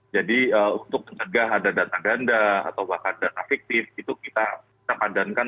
jadi untuk mencegah ada data ganda atau ada data fiktif itu kita padankan